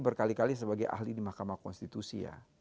berkali kali sebagai ahli di mahkamah konstitusi ya